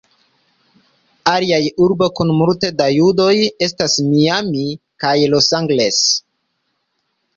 Aliaj urboj kun multe da judoj estas Miami kaj Los Angeles.